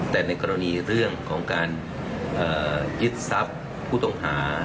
แต่ในกรณีเรื่องของการยึดทรัพย์ผู้ต้องหา